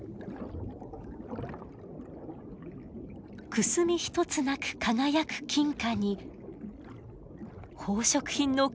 くすみ一つなく輝く金貨に宝飾品の数々も。